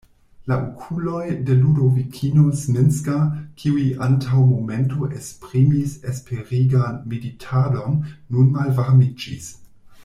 La okuloj de Ludovikino Zminska, kiuj antaŭ momento esprimis esperigan meditadon, nun malvarmiĝis.